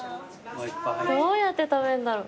どうやって食べんだろ。